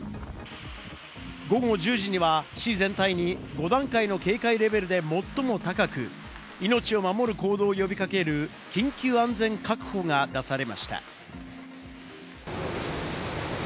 午後１０時には市全体に５段階の警戒レベルで最も高く、命を守る行動を呼び掛ける緊急安全確保が出されました。